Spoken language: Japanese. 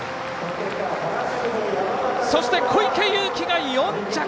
そして小池祐貴が４着。